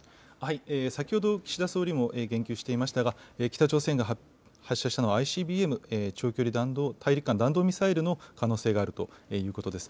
先ほど岸田総理も言及していましたが、北朝鮮が発射したのはＩＣＢＭ・大陸間弾道ミサイルの可能性があるということです。